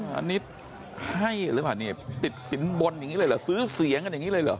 อันนี้ให้หรือเปล่านี่ติดสินบนอย่างนี้เลยเหรอซื้อเสียงกันอย่างนี้เลยเหรอ